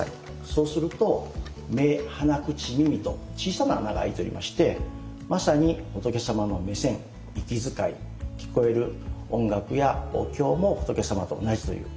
そうすると目・鼻・口・耳と小さな穴が開いておりましてまさに仏様の目線息遣い聞こえる音楽やお経も仏様と同じという。